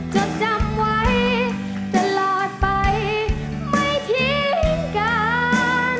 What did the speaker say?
จดจำไว้ตลอดไปไม่ทิ้งกัน